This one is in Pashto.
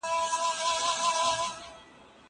زه به اوږده موده درسونه ولولم؟